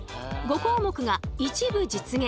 ５項目が一部実現